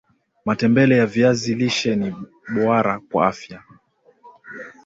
matembele ya viazi lishe ni boara kwa afya